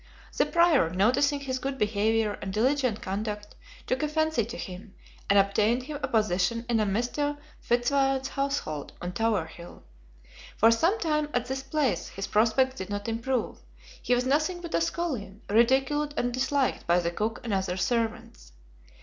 The prior, noticing his good behavior and diligent conduct, took a fancy to him, and obtained him a position in a Mr. Fitzwarren's household on Tower Hill. For some time at this place his prospects did not improve; he was nothing but a scullion, ridiculed and disliked by the cook and other servants.